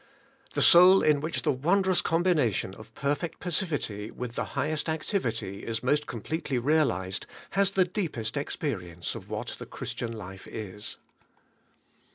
The soul in which the won drous combination of perfect passivity with the high est activity is most completely realized, has the deep est experience of what the Christian life is.